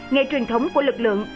ngày truyền thống của lực lượng